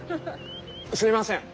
すいません。